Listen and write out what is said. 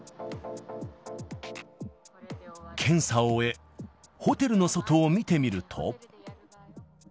検査を終え、ホテルの外を見てみると。